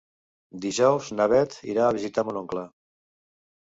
Dijous na Beth irà a visitar mon oncle.